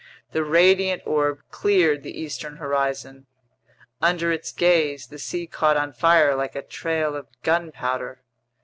The radiant orb cleared the eastern horizon. Under its gaze, the sea caught on fire like a trail of gunpowder.